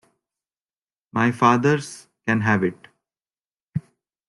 My fathers can have it!